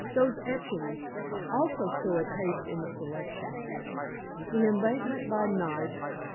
Those etchings, also, show taste in the selection. 'The Embankment—by Night.